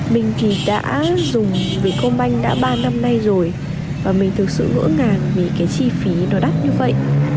mình thì đã dùng vìcombank đã ba năm nay rồi và mình thực sự ngỡ ngàng vì cái chi phí nó đắt như vậy